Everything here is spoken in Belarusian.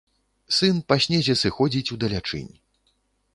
Сын па снезе сыходзіць у далячынь.